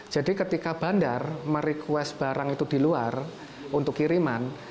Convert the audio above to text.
jadi ketika bandar merequest barang itu di luar untuk kiriman